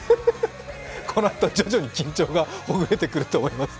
このあと徐々に緊張がほぐれてくると思います。